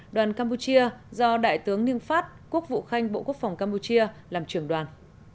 đoàn campuchia do đại tướng ninh phát quốc vụ khanh bộ quốc phòng campuchia làm trưởng đoàn